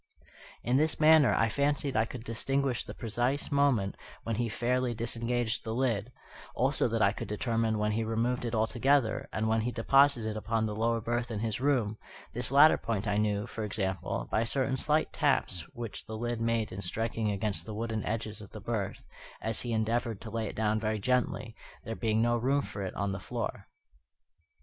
In this manner I fancied I could distinguish the precise moment when he fairly disengaged the lid, also that I could determine when he removed it altogether, and when he deposited it upon the lower berth in his room; this latter point I knew, for example, by certain slight taps which the lid made in striking against the wooden edges of the berth as he endeavoured to lay it down very gently, there being no room for it on the floor.